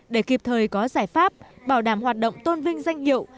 để kịp thời có giải pháp bảo đảm hoạt động tôn vinh danh hiệu